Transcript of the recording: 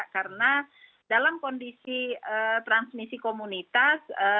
karena dalam kondisi transmisi komunitas